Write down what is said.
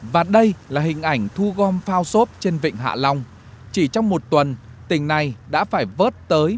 và đây là hình ảnh thu gom phao xốp trên vịnh hạ long chỉ trong một tuần tỉnh này đã phải vớt tới